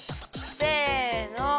せの。